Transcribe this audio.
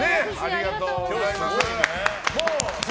ありがとうございます。